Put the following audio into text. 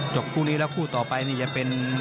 คู่นี้แล้วคู่ต่อไปนี่จะเป็น